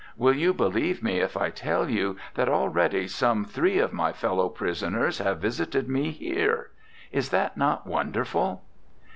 Will you believe me if I tell you that already some three of my fellow prisoners have visited me here? Is that not wonderful?